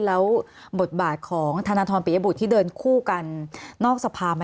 แล้วบทบาทของธนทรปิยบุตรที่เดินคู่กันนอกสภา